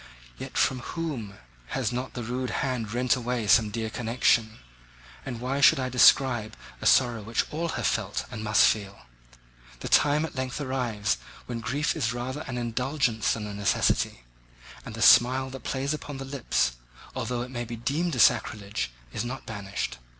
Yet from whom has not that rude hand rent away some dear connection? And why should I describe a sorrow which all have felt, and must feel? The time at length arrives when grief is rather an indulgence than a necessity; and the smile that plays upon the lips, although it may be deemed a sacrilege, is not banished.